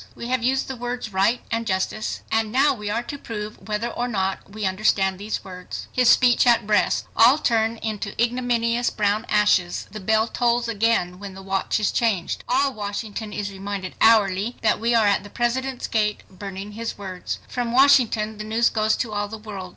We have used the words 'right' and 'justice' and now we are to prove whether or not we understand these words;" his speech at Brest; all turn into ignominious brown ashes. The bell tolls again when the watch is changed. All Washington is reminded hourly that we are at the President's gate, burning his words. From Washington the news goes to all the world.